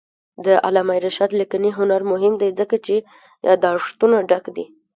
د علامه رشاد لیکنی هنر مهم دی ځکه چې یادښتونه ډک دي.